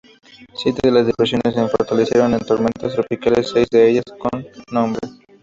Siete de las depresiones en fortalecieron en tormentas tropicales, seis de ellas con nombre.